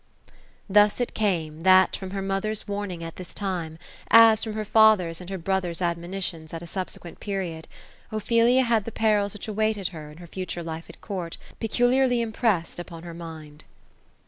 Thus it came, that — from her mother's warning, at this time, as, from her father's and her brother's admonitions, at a subsequent period, — Ophelia had the perils which awaited her, in her future life at court, peculiarly impressed upon her mind.